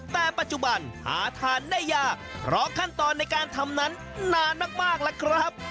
แต่ปัจจุบันหาทานได้ยากเพราะขั้นตอนในการทำนั้นนานมากล่ะครับ